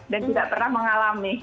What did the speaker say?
dan juga gak pernah mengalami